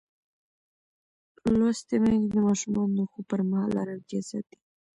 لوستې میندې د ماشومانو د خوب پر مهال ارامتیا ساتي.